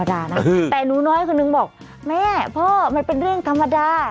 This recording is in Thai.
แต่หนูน้อยคนนึงบอกแม่พ่อมันเป็นเรื่องธรรมดา